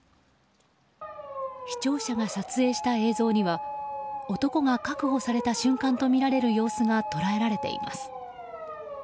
視聴者が撮影した映像には男が確保された瞬間とみられる様子が捉えられています。